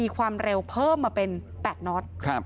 ความเร็วเพิ่มมาเป็น๘น็อต